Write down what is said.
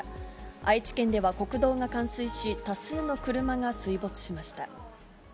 愛知県では国道が冠水し、多数の車が水没しました。